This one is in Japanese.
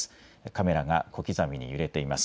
カメラが小刻みに揺れています。